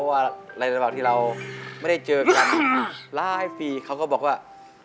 ว่าในระบัดที่เราไม่ได้เจอกันร้ายปีเขาก็บอกว่า